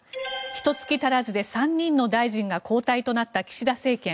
ひと月足らずで３人の大臣が交代となった岸田政権。